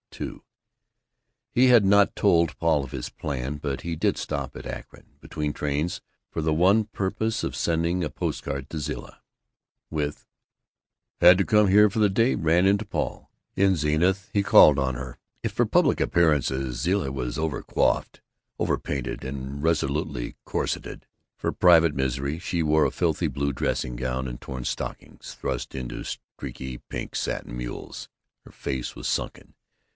II He had not told Paul of his plan but he did stop at Akron, between trains, for the one purpose of sending to Zilla a post card with "Had to come here for the day, ran into Paul." In Zenith he called on her. If for public appearances Zilla was over coiffed, over painted, and resolutely corseted, for private misery she wore a filthy blue dressing gown and torn stockings thrust into streaky pink satin mules. Her face was sunken.